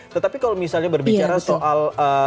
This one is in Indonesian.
tetapi kalau misalnya berbicara soal